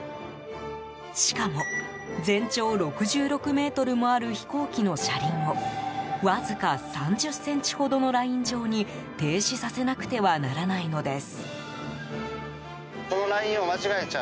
しかも、全長６６ｍもある飛行機の車輪をわずか３０ｃｍほどのライン上に停止させなくてはならないのです。